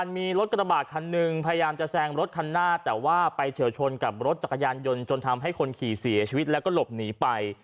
มีรถกระบาดคันหนึ่งพยายามจะแซงรถคันหน้าแต่ว่าไปเฉียวชนกับรถจักรยานยนต์จนทำให้คนขี่เสียชีวิตแล้วก็หลบหนีไป